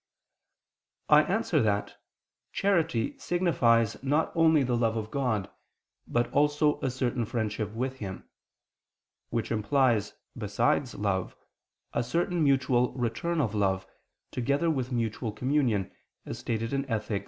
I answer that, Charity signifies not only the love of God, but also a certain friendship with Him; which implies, besides love, a certain mutual return of love, together with mutual communion, as stated in _Ethic.